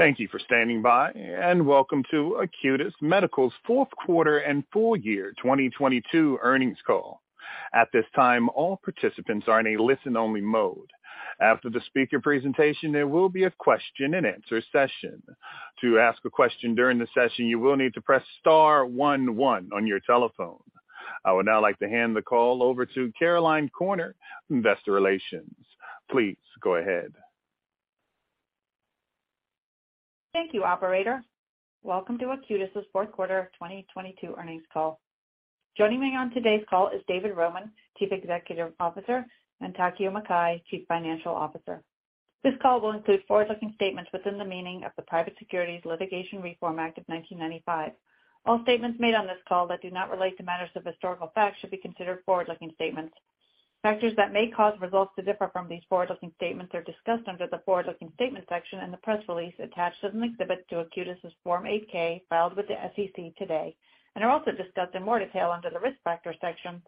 Thank you for standing by. Welcome to Acutus Medical's fourth quarter and full year 2022 earnings call. At this time, all participants are in a listen-only mode. After the speaker presentation, there will be a question-and-answer session. To ask a question during the session, you will need to press star one one on your telephone. I would now like to hand the call over to Caroline Corner, Investor Relations. Please go ahead. Thank you, operator. Welcome to Acutus' fourth quarter of 2022 earnings call. Joining me on today's call is David Roman, Chief Executive Officer, and Takeo Mukai, Chief Financial Officer. This call will include forward-looking statements within the meaning of the Private Securities Litigation Reform Act of 1995. All statements made on this call that do not relate to matters of historical fact should be considered forward-looking statements. Factors that may cause results to differ from these forward-looking statements are discussed under the forward-looking statement section in the press release attached as an exhibit to Acutus' Form 8-K filed with the SEC today, and are also discussed in more detail under the Risk Factors section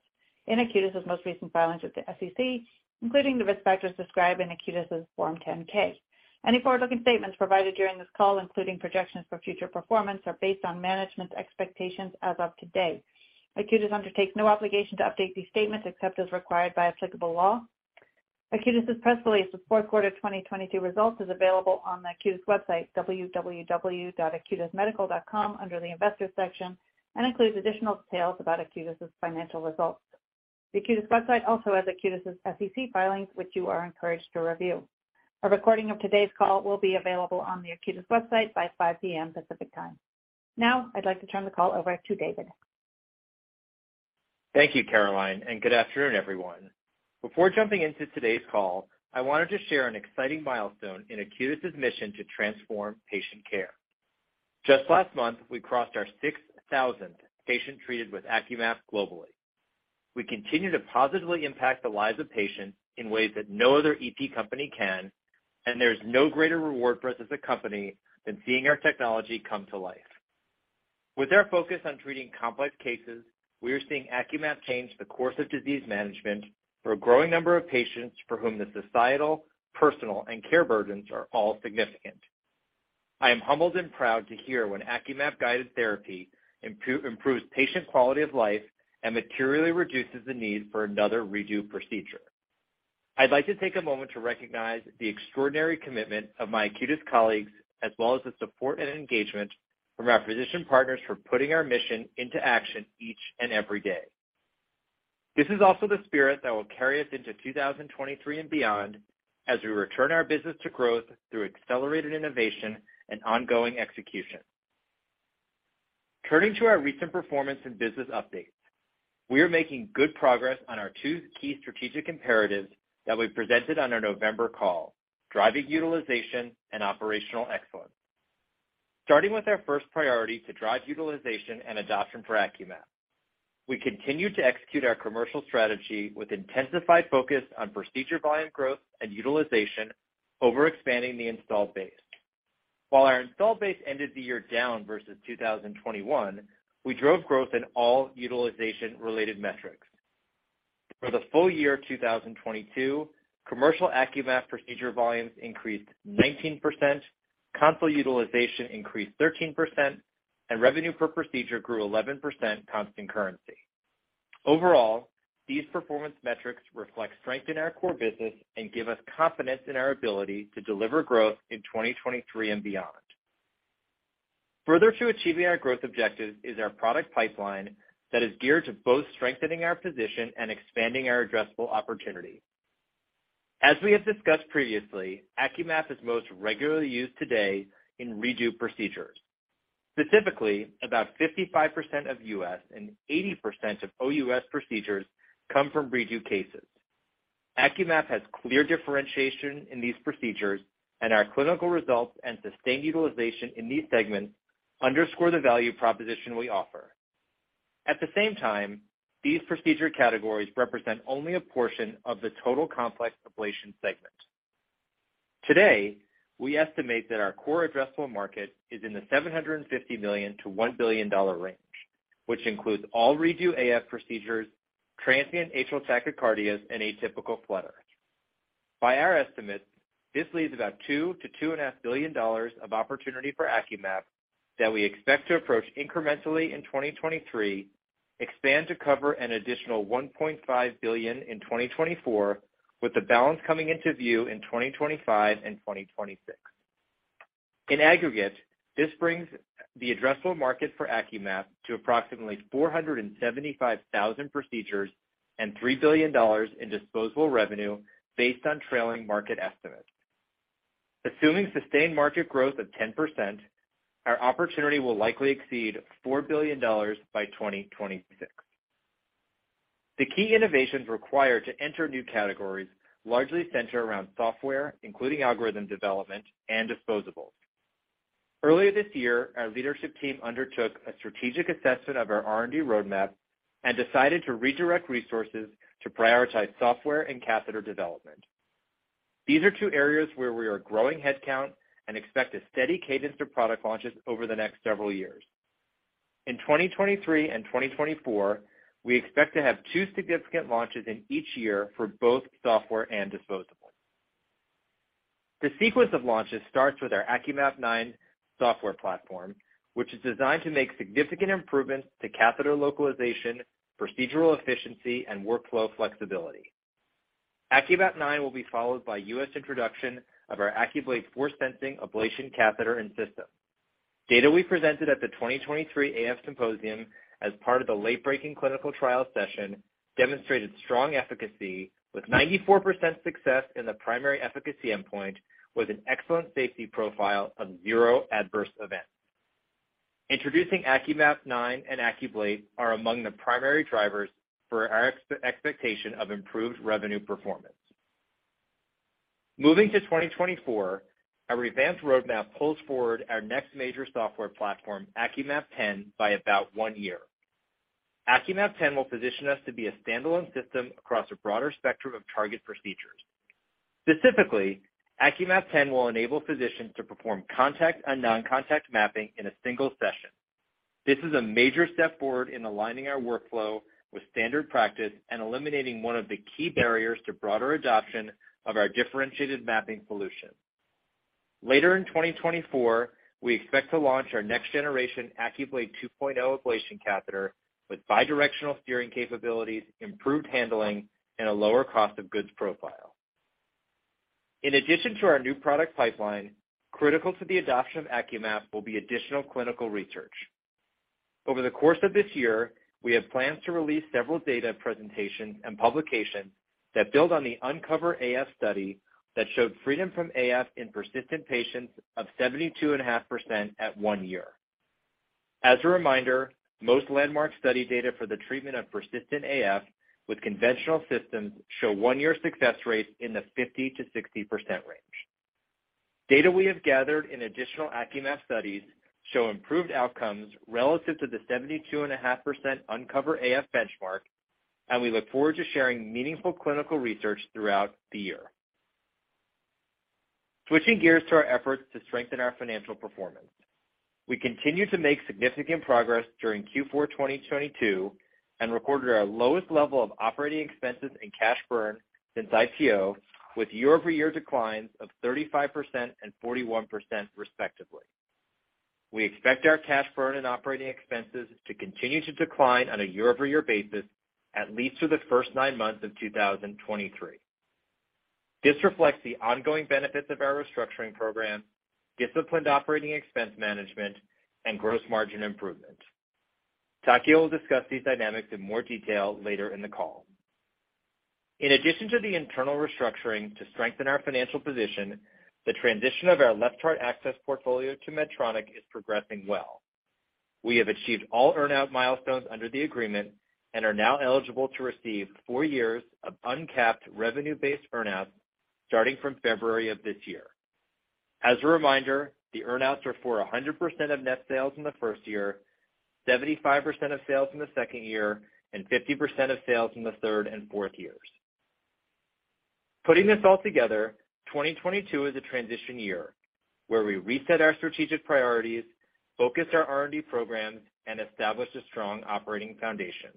in Acutus' most recent filings with the SEC, including the risk factors described in Acutus' Form 10-K. Any forward-looking statements provided during this call, including projections for future performance, are based on management's expectations as of today. Acutus undertakes no obligation to update these statements except as required by applicable law. Acutus' press release of fourth quarter 2022 results is available on the Acutus website, www.acutusmedical.com, under the Investors section, and includes additional details about Acutus' financial results. The Acutus website also has Acutus' SEC filings, which you are encouraged to review. A recording of today's call will be available on the Acutus website by 5:00 P.M. Pacific Time. Now, I'd like to turn the call over to David. Thank you, Caroline. Good afternoon, everyone. Before jumping into today's call, I wanted to share an exciting milestone in Acutus' mission to transform patient care. Just last month, we crossed our 6,000th patient treated with AcQMap globally. We continue to positively impact the lives of patients in ways that no other EP company can, and there's no greater reward for us as a company than seeing our technology come to life. With our focus on treating complex cases, we are seeing AcQMap change the course of disease management for a growing number of patients for whom the societal, personal, and care burdens are all significant. I am humbled and proud to hear when AcQMap guided therapy improves patient quality of life and materially reduces the need for another redo procedure. I'd like to take a moment to recognize the extraordinary commitment of my Acutus colleagues, as well as the support and engagement from our physician partners for putting our mission into action each and every day. This is also the spirit that will carry us into 2023 and beyond, as we return our business to growth through accelerated innovation and ongoing execution. Turning to our recent performance and business updates. We are making good progress on our two key strategic imperatives that we presented on our November call, driving utilization and operational excellence. Starting with our first priority to drive utilization and adoption for AcQMap. We continue to execute our commercial strategy with intensified focus on procedure volume growth and utilization over expanding the installed base. While our installed base ended the year down versus 2021, we drove growth in all utilization-related metrics. For the full year 2022, commercial AcQMap procedure volumes increased 19%, console utilization increased 13%, and revenue per procedure grew 11% constant currency. Overall, these performance metrics reflect strength in our core business and give us confidence in our ability to deliver growth in 2023 and beyond. Further to achieving our growth objectives is our product pipeline that is geared to both strengthening our position and expanding our addressable opportunity. As we have discussed previously, AcQMap is most regularly used today in redo procedures. Specifically, about 55% of U.S. and 80% of OUS procedures come from redo cases. AcQMap has clear differentiation in these procedures, and our clinical results and sustained utilization in these segments underscore the value proposition we offer. At the same time, these procedure categories represent only a portion of the total complex ablation segment. Today, we estimate that our core addressable market is in the $750 million-1 billion range, which includes all redo AF procedures, transient atrial tachycardias, and atypical flutter. By our estimate, this leaves about $2 billion-2.5 billion of opportunity for AcQMap that we expect to approach incrementally in 2023, expand to cover an additional $1.5 billion in 2024, with the balance coming into view in 2025 and 2026. In aggregate, this brings the addressable market for AcQMap to approximately 475,000 procedures and $3 billion in disposable revenue based on trailing market estimates. Assuming sustained market growth of 10%, our opportunity will likely exceed $4 billion by 2026. The key innovations required to enter new categories largely center around software, including algorithm development and disposables. Earlier this year, our leadership team undertook a strategic assessment of our R&D roadmap and decided to redirect resources to prioritize software and catheter development. These are two areas where we are growing headcount and expect a steady cadence of product launches over the next several years. In 2023 and 2024, we expect to have two significant launches in each year for both software and disposables. The sequence of launches starts with our AcQMap 9 software platform, which is designed to make significant improvements to catheter localization, procedural efficiency, and workflow flexibility. AcQMap 9 will be followed by US introduction of our AcQBlate FORCE ablation catheter and system. Data we presented at the 2023 AF Symposium as part of the late-breaking clinical trial session demonstrated strong efficacy with 94% success in the primary efficacy endpoint, with an excellent safety profile of 0 adverse events. Introducing AcQMap 9 and AcQBlate are among the primary drivers for our expectation of improved revenue performance. Moving to 2024, our advanced roadmap pulls forward our next major software platform, AcQMap 10, by about one year. AcQMap 10 will position us to be a standalone system across a broader spectrum of target procedures. Specifically, AcQMap 10 will enable physicians to perform contact and non-contact mapping in a single session. This is a major step forward in aligning our workflow with standard practice and eliminating one of the key barriers to broader adoption of our differentiated mapping solution. Later in 2024, we expect to launch our next generation AcQBlate 2.0 ablation catheter with bidirectional steering capabilities, improved handling, and a lower cost of goods profile. In addition to our new product pipeline, critical to the adoption of AcQMap will be additional clinical research. Over the course of this year, we have plans to release several data presentations and publications that build on the UNCOVER-AF study that showed freedom from AF in persistent patients of 72.5% at one year. As a reminder, most landmark study data for the treatment of persistent AF with conventional systems show one-year success rates in the 50-60% range. Data we have gathered in additional AcQMap studies show improved outcomes relative to the 72.5% UNCOVER-AF benchmark, and we look forward to sharing meaningful clinical research throughout the year. Switching gears to our efforts to strengthen our financial performance. We continued to make significant progress during Q4 2022 and recorded our lowest level of operating expenses and cash burn since IPO with year-over-year declines of 35% and 41% respectively. We expect our cash burn and operating expenses to continue to decline on a year-over-year basis at least through the first nine months of 2023. This reflects the ongoing benefits of our restructuring program, disciplined operating expense management, and gross margin improvement. Takeo will discuss these dynamics in more detail later in the call. In addition to the internal restructuring to strengthen our financial position, the transition of our left-heart access portfolio to Medtronic is progressing well. We have achieved all earn-out milestones under the agreement and are now eligible to receive four years of uncapped revenue-based earn-out starting from February of this year. As a reminder, the earn-outs are for 100% of net sales in the first year, 75% of sales in the second year, and 50% of sales in the third and fourth years. Putting this all together, 2022 is a transition year where we reset our strategic priorities, focused our R&D programs, and established a strong operating foundation.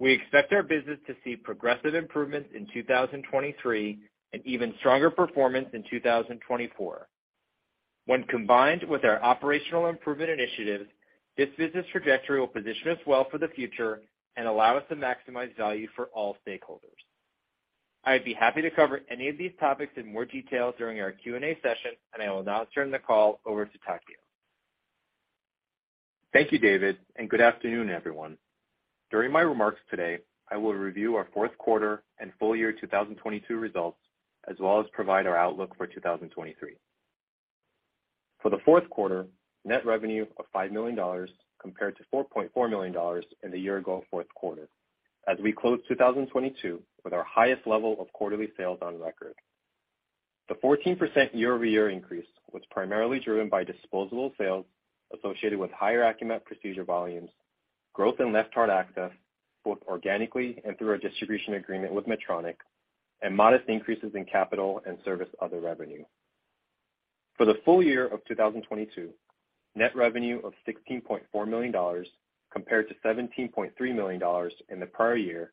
We expect our business to see progressive improvements in 2023 and even stronger performance in 2024. When combined with our operational improvement initiatives, this business trajectory will position us well for the future and allow us to maximize value for all stakeholders. I'd be happy to cover any of these topics in more detail during our Q&A session. I will now turn the call over to Takeo. Thank you, David. Good afternoon, everyone. During my remarks today, I will review our fourth quarter and full year 2022 results, as well as provide our outlook for 2023. For the fourth quarter, net revenue of $5 million compared to $4.4 million in the year ago fourth quarter as we close 2022 with our highest level of quarterly sales on record. The 14% year-over-year increase was primarily driven by disposable sales associated with higher AcQMap procedure volumes, growth in left-heart access, both organically and through our distribution agreement with Medtronic, and modest increases in capital and service other revenue. For the full year of 2022, net revenue of $16.4 million compared to $17.3 million in the prior year,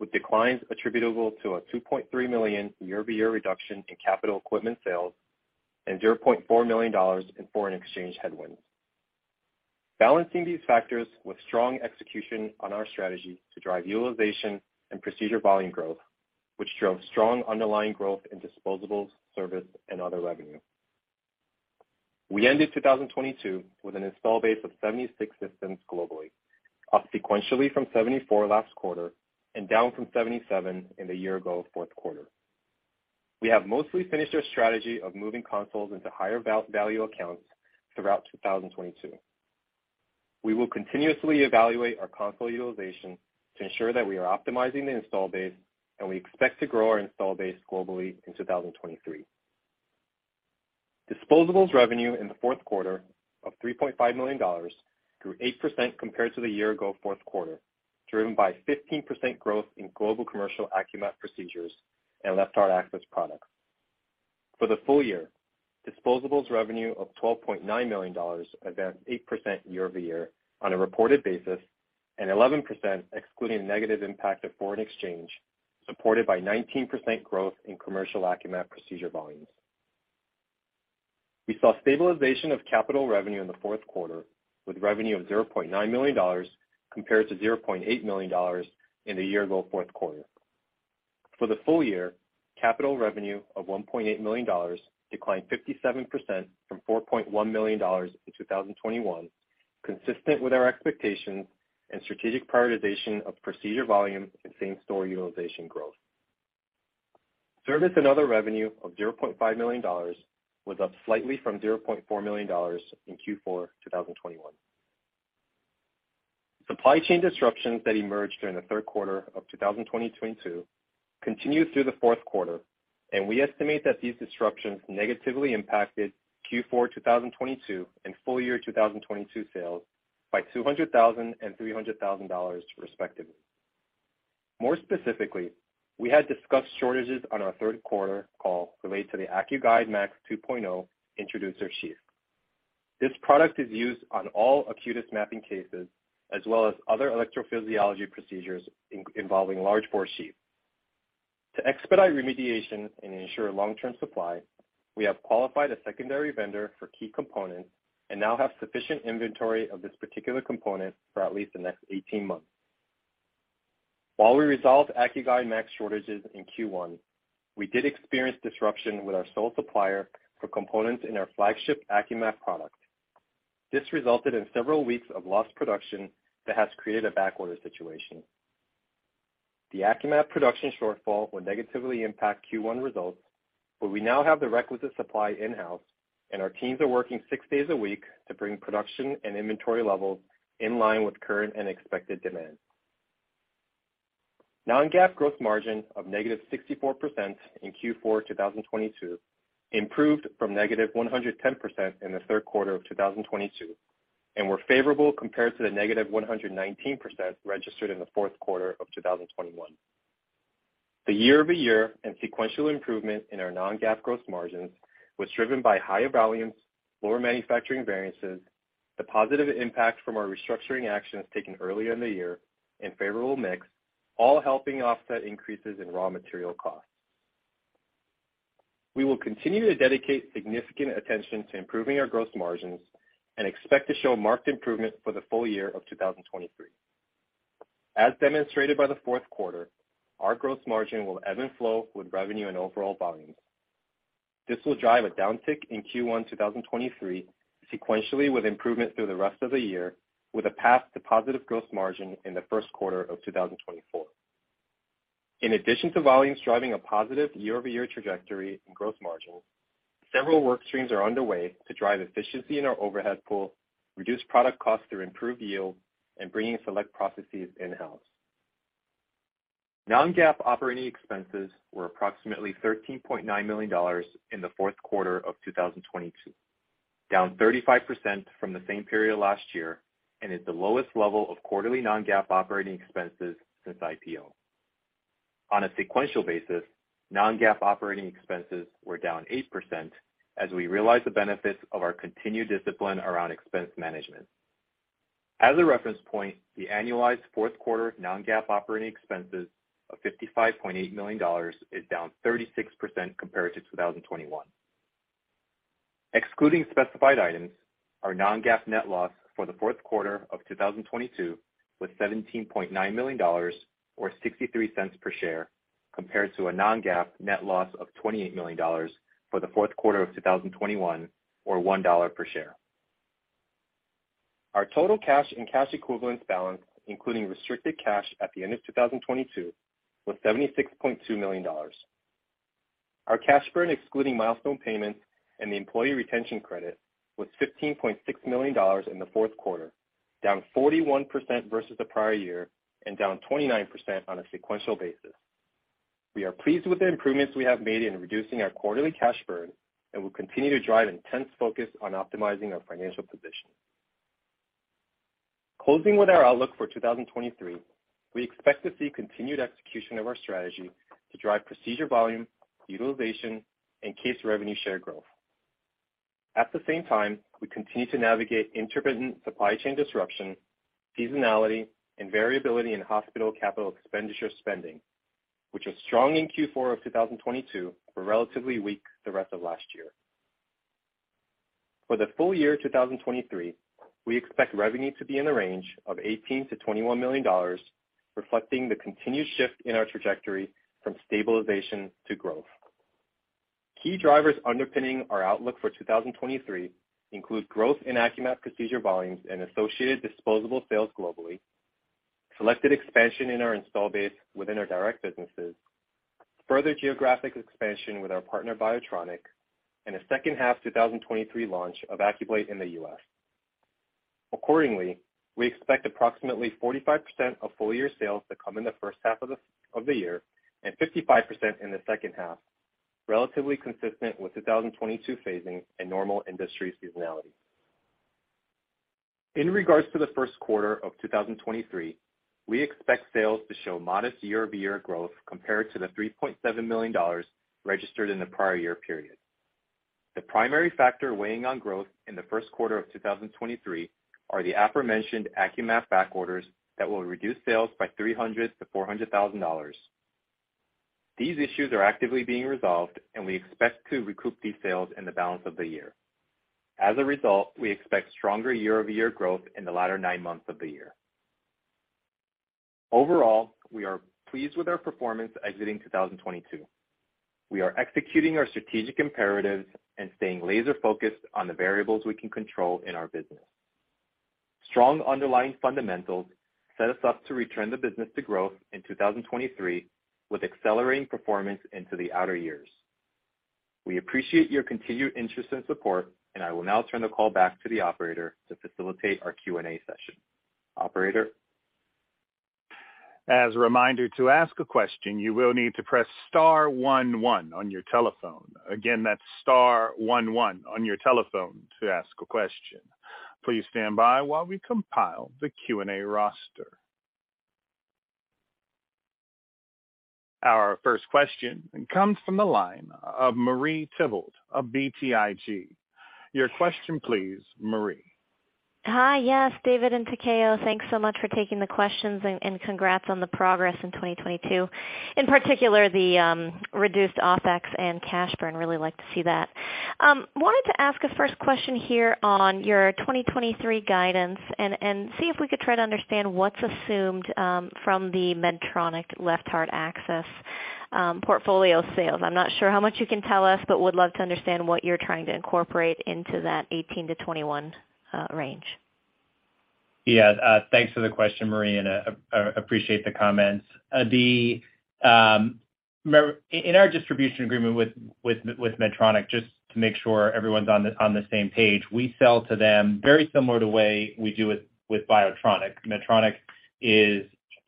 with declines attributable to a $2.3 million year-over-year reduction in capital equipment sales and $0.4 million in foreign exchange headwinds. Balancing these factors with strong execution on our strategy to drive utilization and procedure volume growth, which drove strong underlying growth in disposables, service, and other revenue. We ended 2022 with an install base of 76 systems globally, up sequentially from 74 last quarter and down from 77 in the year ago fourth quarter. We have mostly finished our strategy of moving consoles into higher value accounts throughout 2022. We will continuously evaluate our console utilization to ensure that we are optimizing the install base. We expect to grow our install base globally in 2023. Disposables revenue in the fourth quarter of $3.5 million grew 8% compared to the year-ago fourth quarter, driven by 15% growth in global commercial AcQMap procedures and left-heart access products. For the full year, disposables revenue of $12.9 million advanced 8% year-over-year on a reported basis, and 11% excluding negative impact of foreign exchange, supported by 19% growth in commercial AcQMap procedure volumes. We saw stabilization of capital revenue in the fourth quarter, with revenue of $0.9 million compared to $0.8 million in the year-ago fourth quarter. For the full year, capital revenue of $1.8 million declined 57% from $4.1 million in 2021, consistent with our expectations and strategic prioritization of procedure volume and same-store utilization growth. Service and other revenue of $0.5 million was up slightly from $0.4 million in Q4 2021. Supply chain disruptions that emerged during the third quarter of 2022 continued through the fourth quarter, and we estimate that these disruptions negatively impacted Q4 2022 and full year 2022 sales by $200,000 and $300,000 respectively. More specifically, we had discussed shortages on our third quarter call related to the AcQGuide MAX 2.0 introducer sheath. This product is used on all Acutus mapping cases as well as other electrophysiology procedures involving large-bore sheath. To expedite remediation and ensure long-term supply, we have qualified a secondary vendor for key components and now have sufficient inventory of this particular component for at least the next 18 months. While we resolved AcQGuide MAX shortages in Q1, we did experience disruption with our sole supplier for components in our flagship AcQMap product. This resulted in several weeks of lost production that has created a backorder situation. The AcQMap production shortfall will negatively impact Q1 results, but we now have the requisite supply in-house, and our teams are working six days a week to bring production and inventory levels in line with current and expected demand. non-GAAP gross margin of negative 64% in Q4 2022 improved from negative 110% in the third quarter of 2022 and were favorable compared to the negative 119% registered in the fourth quarter of 2021. The year-over-year and sequential improvement in our non-GAAP gross margins was driven by higher volumes, lower manufacturing variances, the positive impact from our restructuring actions taken earlier in the year and favorable mix, all helping offset increases in raw material costs. We will continue to dedicate significant attention to improving our gross margins and expect to show marked improvement for the full year of 2023. As demonstrated by the fourth quarter, our gross margin will ebb and flow with revenue and overall volumes. This will drive a downtick in Q1 2023 sequentially with improvement through the rest of the year, with a path to positive gross margin in the first quarter of 2024. In addition to volumes driving a positive year-over-year trajectory in gross margin, several work streams are underway to drive efficiency in our overhead pool, reduce product costs through improved yield and bringing select processes in-house. Non-GAAP operating expenses were approximately $13.9 million in the fourth quarter of 2022, down 35% from the same period last year and is the lowest level of quarterly non-GAAP operating expenses since IPO. On a sequential basis, non-GAAP operating expenses were down 8% as we realize the benefits of our continued discipline around expense management. As a reference point, the annualized fourth quarter non-GAAP operating expenses of $55.8 million is down 36% compared to 2021. Excluding specified items, our non-GAAP net loss for the fourth quarter of 2022 was $17.9 million or $0.63 per share, compared to a non-GAAP net loss of $28 million for the fourth quarter of 2021 or $1 per share. Our total cash and cash equivalents balance, including restricted cash at the end of 2022, was $76.2 million. Our cash burn excluding milestone payments and the Employee Retention Credit was $15.6 million in the fourth quarter, down 41% versus the prior year and down 29% on a sequential basis. We are pleased with the improvements we have made in reducing our quarterly cash burn and will continue to drive intense focus on optimizing our financial position. Closing with our outlook for 2023, we expect to see continued execution of our strategy to drive procedure volume, utilization and case revenue share growth. At the same time, we continue to navigate intermittent supply chain disruption, seasonality and variability in hospital capital expenditure spending, which was strong in Q4 of 2022, but relatively weak the rest of last year. For the full year 2023, we expect revenue to be in the range of $18 million-21 million, reflecting the continued shift in our trajectory from stabilization to growth. Key drivers underpinning our outlook for 2023 include growth in AcQMap procedure volumes and associated disposable sales globally, selected expansion in our install base within our direct businesses, further geographic expansion with our partner, BIOTRONIK, and a second half 2023 launch of AcQBlate in the U.S. Accordingly, we expect approximately 45% of full year sales to come in the first half of the year and 55% in the second half, relatively consistent with 2022 phasing and normal industry seasonality. In regards to the first quarter of 2023, we expect sales to show modest year-over-year growth compared to the $3.7 million registered in the prior year period. The primary factor weighing on growth in the first quarter of 2023 are the aforementioned AcQMap back orders that will reduce sales by $300,000-400,000. These issues are actively being resolved, and we expect to recoup these sales in the balance of the year. As a result, we expect stronger year-over-year growth in the latter nine months of the year. Overall, we are pleased with our performance exiting 2022. We are executing our strategic imperatives and staying laser-focused on the variables we can control in our business. Strong underlying fundamentals set us up to return the business to growth in 2023, with accelerating performance into the outer years. We appreciate your continued interest and support, and I will now turn the call back to the operator to facilitate our Q&A session. Operator? As a reminder, to ask a question, you will need to press star one one on your telephone. Again, that's star one one on your telephone to ask a question. Please stand by while we compile the Q&A roster. Our first question comes from the line of Marie Thibault of BTIG. Your question please, Marie. Hi. Yes, David and Takeo, thanks so much for taking the questions and congrats on the progress in 2022. In particular, the reduced OpEx and cash burn, really like to see that. Wanted to ask a first question here on your 2023 guidance and see if we could try to understand what's assumed from the Medtronic left-heart access portfolio sales. I'm not sure how much you can tell us, but would love to understand what you're trying to incorporate into that 18-21 range. Yeah. Thanks for the question, Marie Thibault, appreciate the comments. In our distribution agreement with Medtronic, just to make sure everyone's on the same page, we sell to them very similar to the way we do it with BIOTRONIK. Medtronic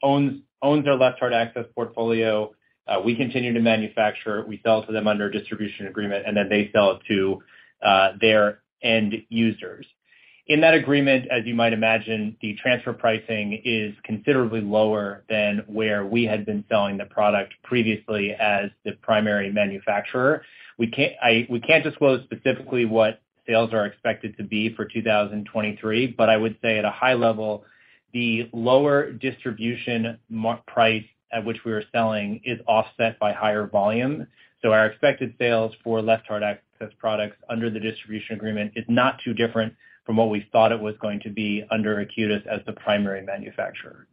owns our left-heart access portfolio. We continue to manufacture. We sell to them under a distribution agreement, they sell it to their end users. In that agreement, as you might imagine, the transfer pricing is considerably lower than where we had been selling the product previously as the primary manufacturer. We can't disclose specifically what sales are expected to be for 2023, I would say at a high level, the lower distribution price at which we are selling is offset by higher volume. Our expected sales for left-heart access products under the distribution agreement is not too different from what we thought it was going to be under Acutus as the primary manufacturer.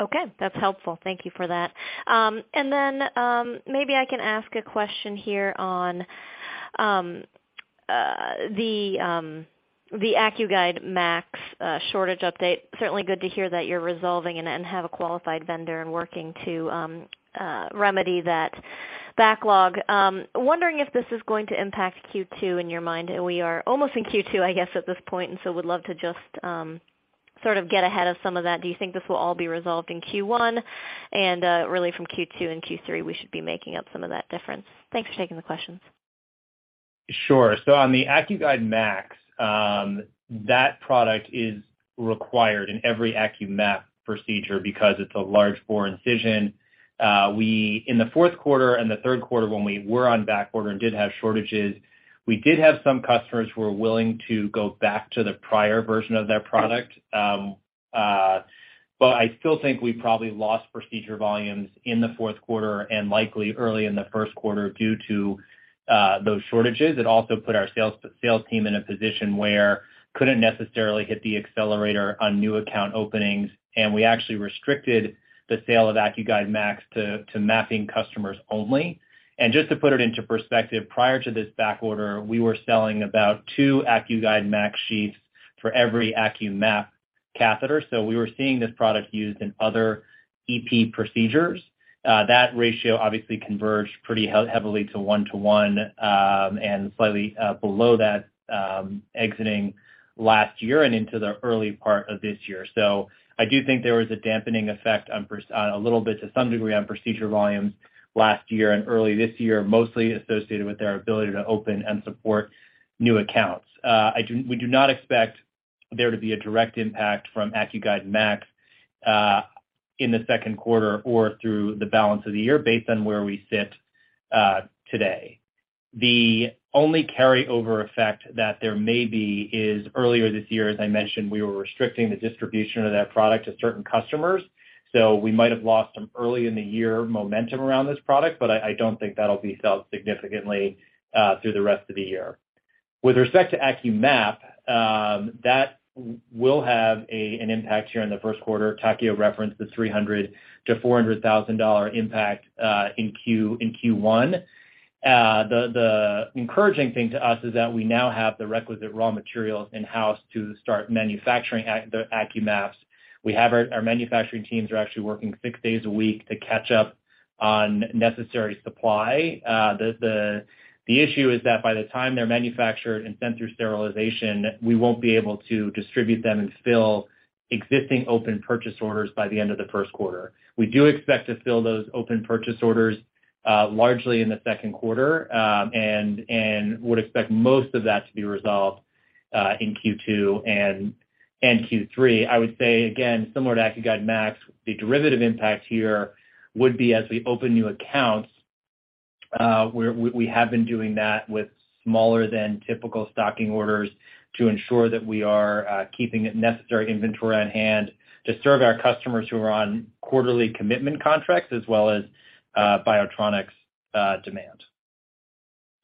Okay. That's helpful. Thank you for that. Maybe I can ask a question here on the AcQGuide MAX shortage update. Certainly good to hear that you're resolving it and have a qualified vendor and working to remedy that backlog. Wondering if this is going to impact Q2 in your mind. We are almost in Q2, I guess, at this point, would love to just sort of get ahead of some of that. Do you think this will all be resolved in Q1 really from Q2 and Q3, we should be making up some of that difference? Thanks for taking the questions. Sure. On the AcQGuide MAX, that product is required in every AcQMap procedure because it's a large bore incision. In the fourth quarter and the third quarter when we were on backorder and did have shortages, we did have some customers who were willing to go back to the prior version of that product. I still think we probably lost procedure volumes in the fourth quarter and likely early in the first quarter due to those shortages. It also put our sales team in a position where couldn't necessarily hit the accelerator on new account openings, and we actually restricted the sale of AcQGuide MAX to mapping customers only. Just to put it into perspective, prior to this backorder, we were selling about two AcQGuide MAX sheaths for every AcQMap catheter. We were seeing this product used in other EP procedures. That ratio obviously converged pretty heavily to one to one, and slightly below that, exiting last year and into the early part of this year. I do think there was a dampening effect on a little bit to some degree on procedure volumes last year and early this year, mostly associated with our ability to open and support new accounts. We do not expect there to be a direct impact from AcQGuide MAX in the second quarter or through the balance of the year based on where we sit today. The only carryover effect that there may be is earlier this year, as I mentioned, we were restricting the distribution of that product to certain customers, so we might have lost some early in the year momentum around this product, but I don't think that'll be felt significantly through the rest of the year. With respect to AcQMap, that will have an impact here in the first quarter. Takeo referenced the $300,000-400,000 impact in Q1. The encouraging thing to us is that we now have the requisite raw materials in-house to start manufacturing the AcQMaps. Our manufacturing teams are actually working six days a week to catch up on necessary supply. The issue is that by the time they're manufactured and sent through sterilization, we won't be able to distribute them and fill existing open purchase orders by the end of the first quarter. We do expect to fill those open purchase orders largely in the second quarter, and would expect most of that to be resolved in Q2 and Q3. I would say again, similar to AcQGuide MAX, the derivative impact here would be as we open new accounts, we have been doing that with smaller than typical stocking orders to ensure that we are keeping the necessary inventory on hand to serve our customers who are on quarterly commitment contracts as well as BIOTRONIK's demand.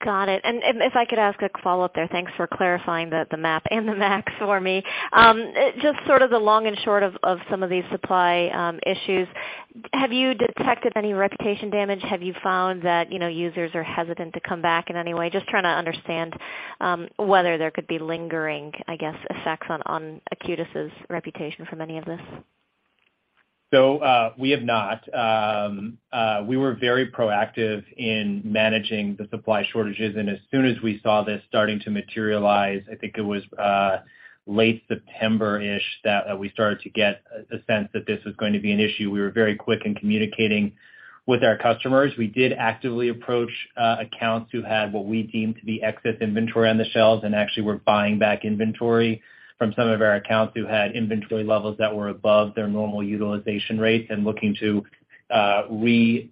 Got it. If I could ask a follow-up there. Thanks for clarifying the MAP and the MAX for me. Just sort of the long and short of some of these supply issues. Have you detected any reputation damage? Have you found that, you know, users are hesitant to come back in any way? Just trying to understand whether there could be lingering, I guess, effects on Acutus' reputation from any of this. We have not. We were very proactive in managing the supply shortages. As soon as we saw this starting to materialize, I think it was late September-ish that we started to get a sense that this was going to be an issue. We were very quick in communicating with our customers. We did actively approach accounts who had what we deemed to be excess inventory on the shelves, and actually were buying back inventory from some of our accounts who had inventory levels that were above their normal utilization rates and looking to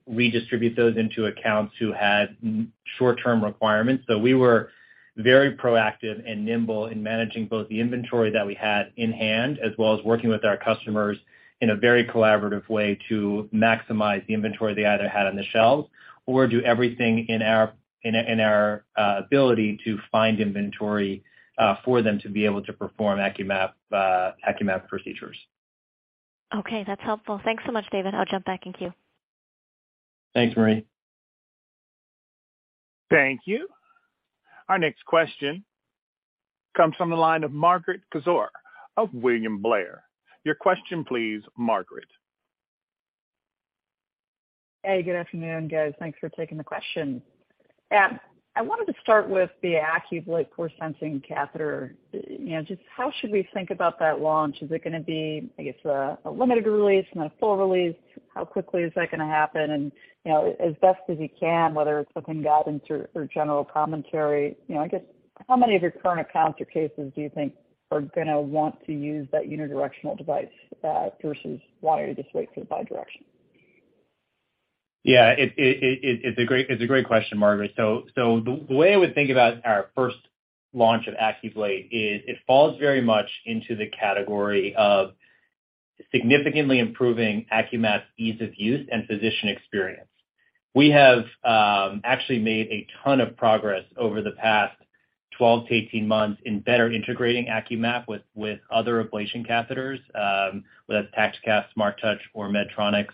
redistribute those into accounts who had short-term requirements. We were very proactive and nimble in managing both the inventory that we had in hand, as well as working with our customers in a very collaborative way to maximize the inventory they either had on the shelves or do everything in our ability to find inventory for them to be able to perform AcQMap procedures. Okay. That's helpful. Thanks so much, David. I'll jump back in queue. Thanks, Marie. Thank you. Our next question comes from the line of Margaret Kaczor of William Blair. Your question, please, Margaret. Hey, good afternoon, guys. Thanks for taking the question. I wanted to start with the AcQBlate force sensing catheter. You know, just how should we think about that launch? Is it gonna be, I guess, a limited release, not a full release? How quickly is that gonna happen? You know, as best as you can, whether it's something guidance or general commentary, you know, I guess how many of your current accounts or cases do you think are gonna want to use that unidirectional device versus why you just wait for the bi-direction? Yeah. It's a great question, Margaret. The way I would think about our first launch of AcQBlate is it falls very much into the category of significantly improving AcQMap's ease of use and physician experience. We have actually made a ton of progress over the past 12-18 months in better integrating AcQMap with other ablation catheters, whether that's TactiCath, SmartTouch or Medtronic's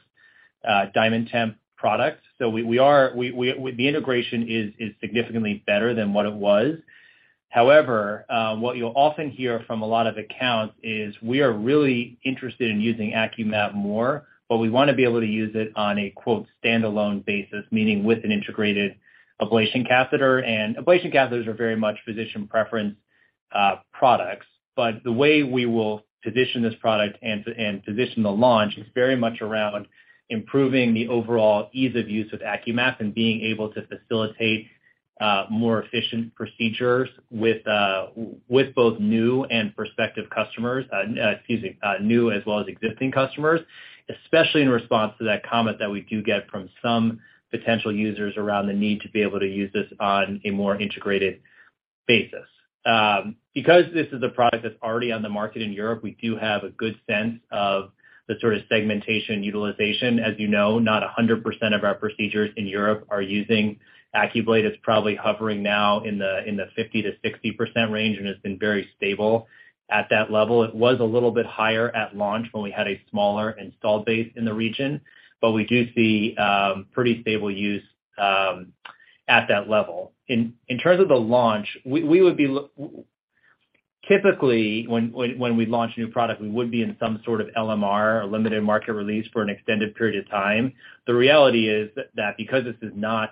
DiamondTemp products. The integration is significantly better than what it was. However, what you'll often hear from a lot of accounts is we are really interested in using AcQMap more, but we wanna be able to use it on a, quote, "standalone basis," meaning with an integrated ablation catheter. Ablation catheters are very much physician preference products. The way we will position this product and position the launch is very much around improving the overall ease of use of AcQMap and being able to facilitate more efficient procedures with both new and prospective customers. Excuse me, new as well as existing customers, especially in response to that comment that we do get from some potential users around the need to be able to use this on a more integrated basis. Because this is a product that's already on the market in Europe, we do have a good sense of the sort of segmentation utilization. As you know, not 100% of our procedures in Europe are using AcQBlate. It's probably hovering now in the 50-60% range, and it's been very stable at that level. It was a little bit higher at launch when we had a smaller installed base in the region, but we do see pretty stable use at that level. In terms of the launch, we would be Typically, when we launch a new product, we would be in some sort of LMR or limited market release for an extended period of time. The reality is that because this is not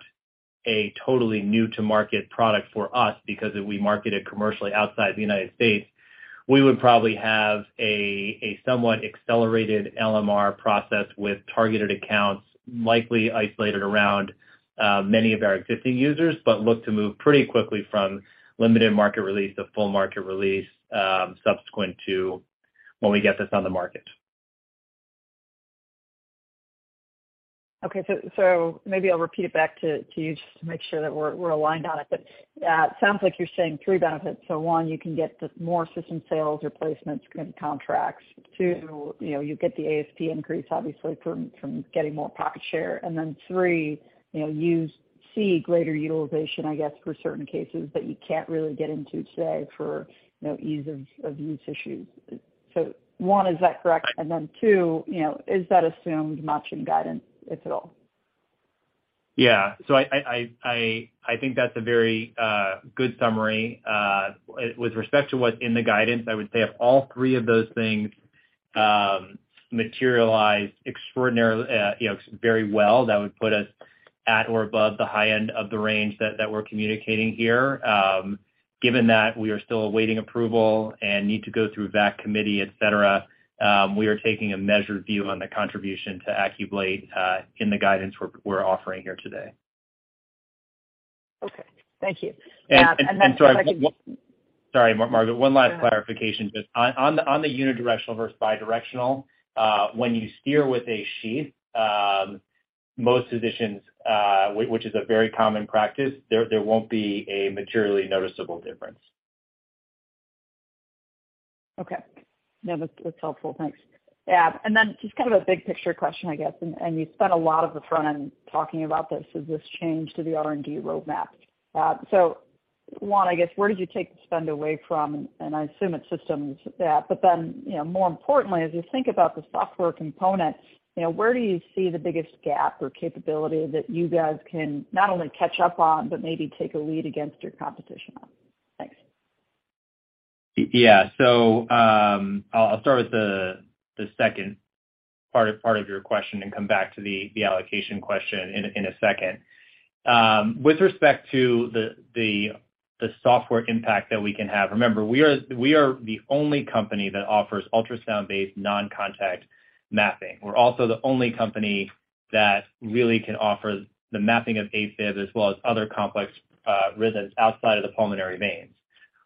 a totally new to market product for us because we market it commercially outside the United States, we would probably have a somewhat accelerated LMR process with targeted accounts, likely isolated around many of our existing users, but look to move pretty quickly from limited market release to full market release subsequent to when we get this on the market. Okay. Maybe I'll repeat it back to you just to make sure that we're aligned on it. It sounds like you're saying three benefits. one, you can get the more system sales replacements and contracts. two, you know, you get the ASP increase obviously from getting more pocket share. three, you know, you see greater utilization, I guess, for certain cases that you can't really get into today for, you know, ease of use issues. one, is that correct? two, you know, is that assumed much in guidance, if at all? I think that's a very good summary. With respect to what's in the guidance, I would say if all three of those things materialize extraordinarily, you know, very well, that would put us at or above the high end of the range that we're communicating here. Given that we are still awaiting approval and need to go through that committee, et cetera, we are taking a measured view on the contribution to AcQBlate in the guidance we're offering here today. Okay. Thank you. And, and so- And then- Sorry, Margaret. One last clarification. On the unidirectional versus bidirectional, when you steer with a sheath, most physicians, which is a very common practice, there won't be a materially noticeable difference. Okay. No, that's helpful. Thanks. Yeah. Then just kind of a big picture question, I guess, and you spent a lot of the front end talking about this, is this change to the R&D roadmap. So one, I guess, where did you take the spend away from? I assume it's systems that. Then, you know, more importantly, as you think about the software component, you know, where do you see the biggest gap or capability that you guys can not only catch up on, but maybe take a lead against your competition on? Thanks. Yeah. I'll start with the second part of your question and come back to the allocation question in a second. With respect to the software impact that we can have, remember, we are the only company that offers ultrasound-based non-contact mapping. We're also the only company that really can offer the mapping of AFib as well as other complex rhythms outside of the pulmonary veins.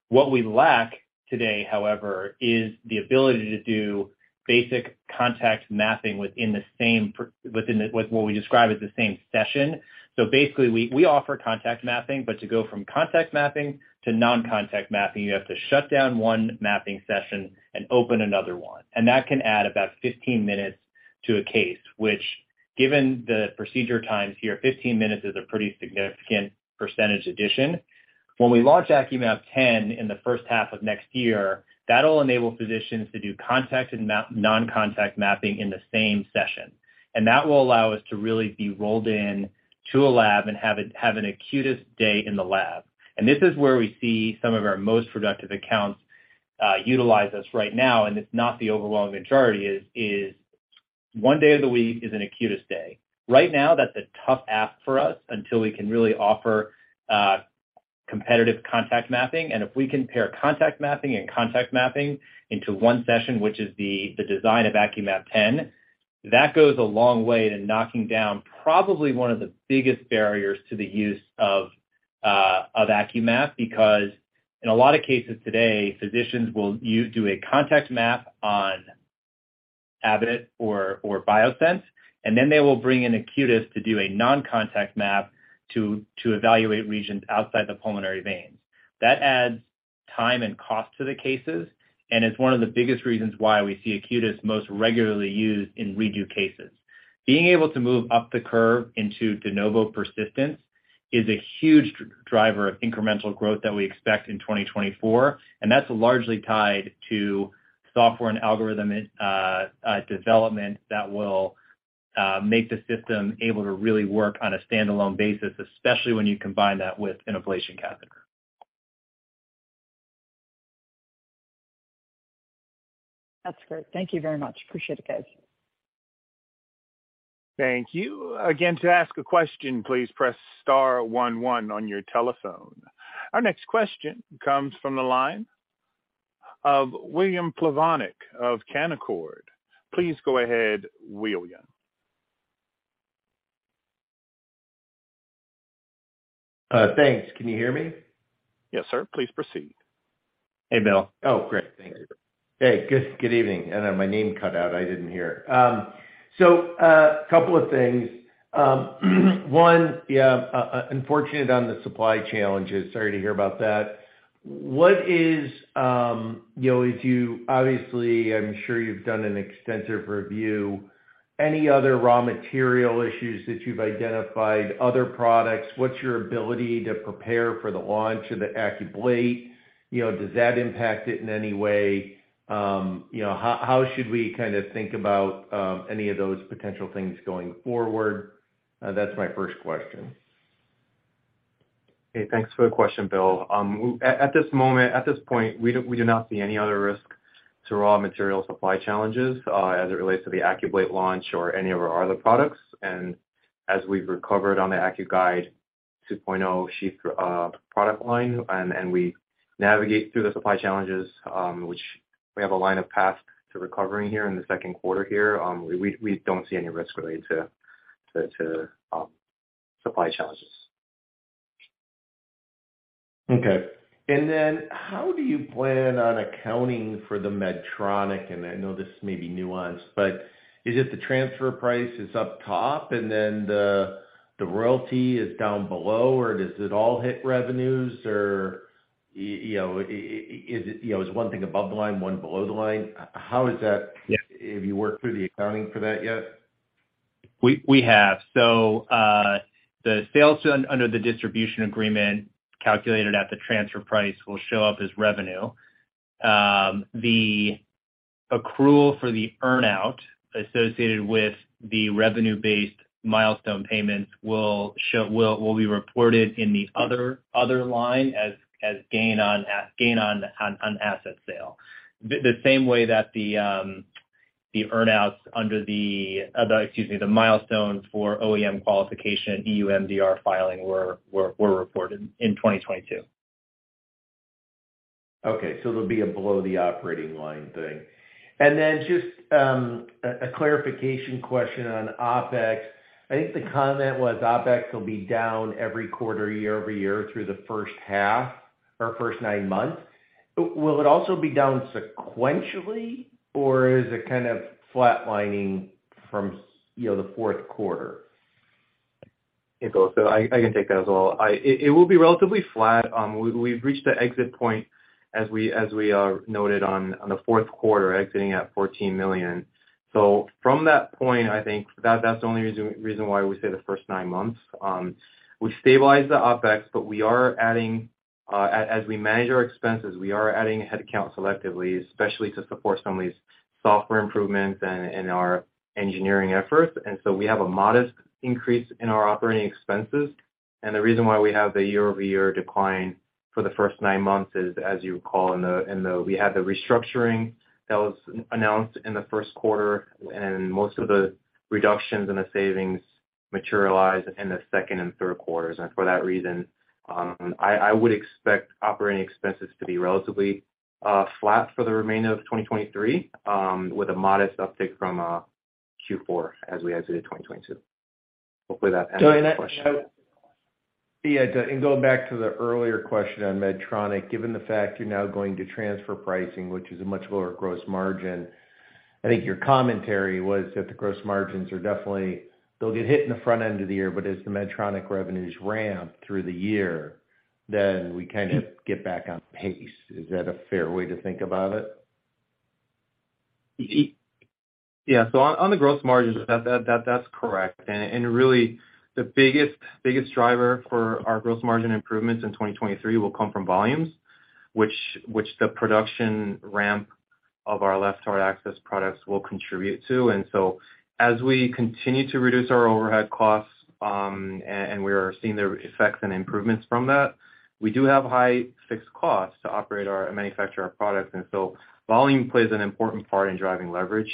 What we lack today, however, is the ability to do basic contact mapping within the same what we describe as the same session. Basically, we offer contact mapping, but to go from contact mapping to non-contact mapping, you have to shut down one mapping session and open another one. That can add about 15 minutes to a case, which given the procedure times here, 15 minutes is a pretty significant percentage addition. When we launch AcQMap 10 in the first half of next year, that'll enable physicians to do contact and non-contact mapping in the same session. That will allow us to really be rolled in to a lab and have an Acutus day in the lab. This is where we see some of our most productive accounts utilize us right now, and it's not the overwhelming majority, is one day of the week is an Acutus day. Right now, that's a tough ask for us until we can really offer competitive contact mapping. If we can pair contact mapping and contact mapping into one session, which is the design of AcQMap 10, that goes a long way to knocking down probably one of the biggest barriers to the use of AcQMap, because in a lot of cases today, physicians will do a contact map on Abbott or Biosense, and then they will bring in Acutis to do a non-contact map to evaluate regions outside the pulmonary veins. That adds time and cost to the cases, and it's one of the biggest reasons why we see Acutis most regularly used in redo cases. Being able to move up the curve into de novo persistence is a huge driver of incremental growth that we expect in 2024, and that's largely tied to software and algorithm development that will make the system able to really work on a standalone basis, especially when you combine that with an ablation catheter. That's great. Thank you very much. Appreciate it, guys. Thank you. To ask a question, please press star one one on your telephone. Our next question comes from the line of William Plovanic of Canaccord. Please go ahead, William. Thanks. Can you hear me? Yes, sir. Please proceed. Hey, Bill. Oh, great. Thank you. Hey, good evening. I know my name cut out. I didn't hear. A couple of things. One, yeah, unfortunately on the supply challenges, sorry to hear about that. What is, you know, obviously, I'm sure you've done an extensive review. Any other raw material issues that you've identified, other products? What's your ability to prepare for the launch of the AcQBlate? You know, does that impact it in any way? You know, how should we kind of think about any of those potential things going forward? That's my first question. Hey, thanks for the question, Bill. At this point, we do not see any other risk to raw material supply challenges as it relates to the AcQBlate launch or any of our other products. As we've recovered on the AcQGuide 2.0 sheath product line, and we navigate through the supply challenges, which we have a line of path to recovering here in the second quarter here, we don't see any risk related to supply challenges. Okay. How do you plan on accounting for the Medtronic? I know this may be nuanced, but is it the transfer price is up top and then the royalty is down below, or does it all hit revenues? You know, is it, you know, is one thing above the line, one below the line? How is that? Yeah. Have you worked through the accounting for that yet? We have. The sales under the distribution agreement calculated at the transfer price will show up as revenue. The accrual for the earn-out associated with the revenue-based milestone payments will be reported in the other line as gain on asset sale. The same way that the earnouts under the, excuse me, the milestones for OEM qualification, EU MDR filing were reported in 2022. It'll be a below the operating line thing. Just a clarification question on OpEx. I think the comment was OpEx will be down every quarter year-over-year through the first half or first nine months. Will it also be down sequentially or is it kind of flatlining from, you know, the fourth quarter? Yeah. I can take that as well. It will be relatively flat. We've reached the exit point as we noted on the fourth quarter, exiting at $14 million. From that point, I think that's the only reason why we say the first nine months. We've stabilized the OpEx, but we are adding, as we manage our expenses, we are adding headcount selectively, especially to support some of these software improvements and our engineering efforts. We have a modest increase in our operating expenses. The reason why we have the year-over-year decline for the first nine months is, as you recall, in the we had the restructuring that was announced in the first quarter, and most of the reductions in the savings materialize in the second and third quarters. For that reason, I would expect operating expenses to be relatively flat for the remainder of 2023, with a modest uptick from Q4 as we exited 2022. Hopefully that answers your question. Yeah. Going back to the earlier question on Medtronic, given the fact you're now going to transfer pricing, which is a much lower gross margin, I think your commentary was that the gross margins are they'll get hit in the front end of the year, but as the Medtronic revenues ramp through the year, then we kind of get back on pace. Is that a fair way to think about it? Yeah. On the gross margins, that's correct. Really the biggest driver for our gross margin improvements in 2023 will come from volumes which the production ramp of our left-heart access products will contribute to. As we continue to reduce our overhead costs, and we're seeing the effects and improvements from that, we do have high fixed costs to manufacture our products, and so volume plays an important part in driving leverage,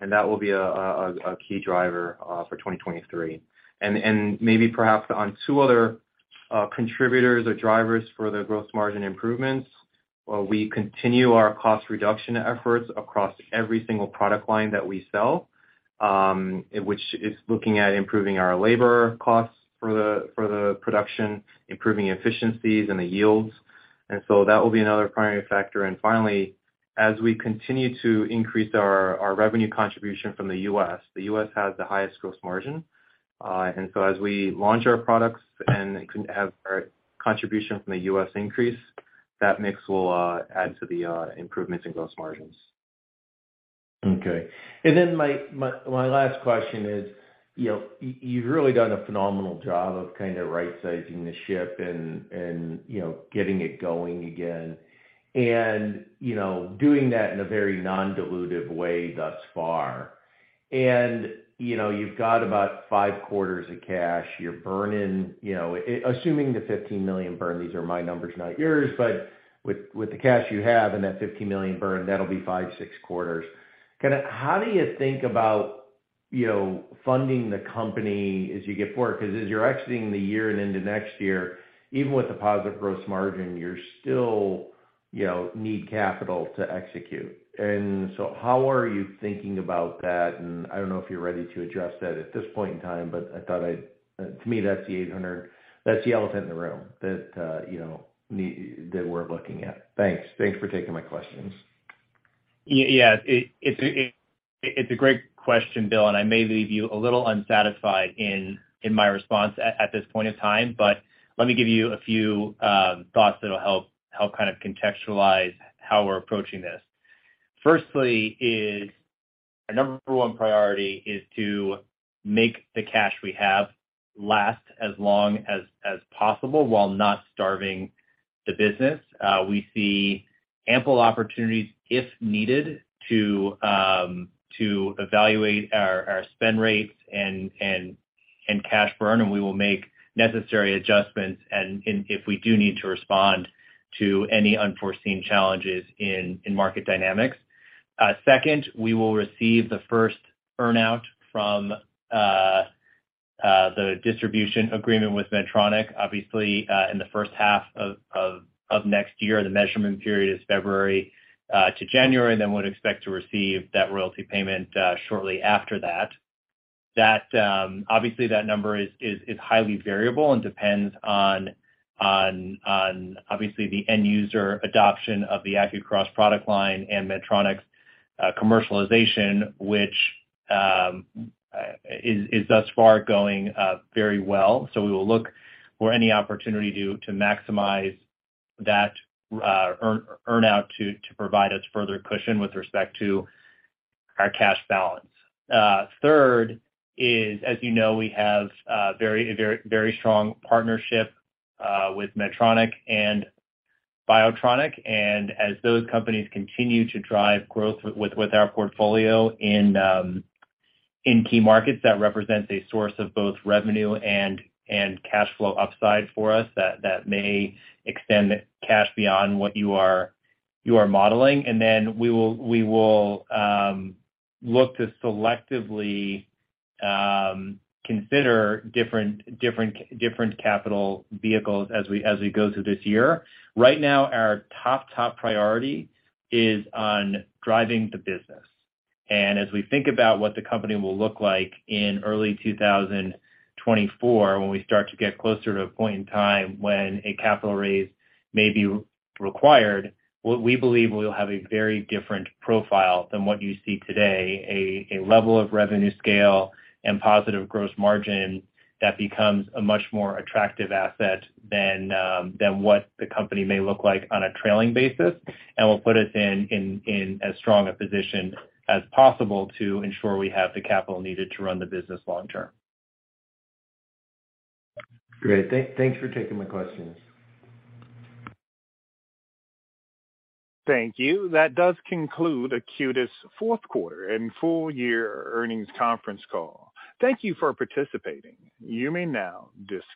and that will be a key driver for 2023. Maybe perhaps on two other contributors or drivers for the gross margin improvements, we continue our cost reduction efforts across every single product line that we sell, which is looking at improving our labor costs for the production, improving efficiencies and the yields. That will be another primary factor. Finally, as we continue to increase our revenue contribution from the U.S., the U.S. has the highest gross margin. As we launch our products and have our contribution from the U.S. increase, that mix will add to the improvements in gross margins. Okay. My last question is, you know, you've really done a phenomenal job of kinda right-sizing the ship and, you know, getting it going again and, you know, doing that in a very non-dilutive way thus far. You know, you've got about five quarters of cash. You're burning, you know, assuming the $15 million burn, these are my numbers, not yours, but with the cash you have and that $15 million burn, that'll be five, six quarters. Kinda how do you think about, you know, funding the company as you get forward? Because as you're exiting the year and into next year, even with the positive gross margin, you're still, you know, need capital to execute. How are you thinking about that? I don't know if you're ready to address that at this point in time, but to me, that's the elephant in the room that, you know, that we're looking at. Thanks for taking my questions. Yes. It's a great question, Bill, and I may leave you a little unsatisfied in my response at this point in time, but let me give you a few thoughts that'll help kind of contextualize how we're approaching this. Firstly, our number one priority is to make the cash we have last as long as possible while not starving the business. We see ample opportunities, if needed, to evaluate our spend rates and cash burn, and we will make necessary adjustments if we do need to respond to any unforeseen challenges in market dynamics. Second, we will receive the first earn-out from the distribution agreement with Medtronic, obviously, in the first half of next year. The measurement period is February to January, and then would expect to receive that royalty payment shortly after that. That obviously that number is highly variable and depends on obviously the end user adoption of the AcQCross product line and Medtronic's commercialization, which is thus far going very well. We will look for any opportunity to maximize that earn-out to provide us further cushion with respect to our cash balance. Third is, as you know, we have a very strong partnership with Medtronic and BIOTRONIK. As those companies continue to drive growth with our portfolio in key markets, that represents a source of both revenue and cash flow upside for us that may extend cash beyond what you are modeling. We will look to selectively consider different capital vehicles as we go through this year. Right now, our top priority is on driving the business. As we think about what the company will look like in early 2024, when we start to get closer to a point in time when a capital raise may be required, what we believe we'll have a very different profile than what you see today, a level of revenue scale and positive gross margin that becomes a much more attractive asset than what the company may look like on a trailing basis, and will put us in as strong a position as possible to ensure we have the capital needed to run the business long term. Great. Thanks for taking my questions. Thank you. That does conclude Acutus fourth quarter and full year earnings conference call. Thank you for participating. You may now disconnect.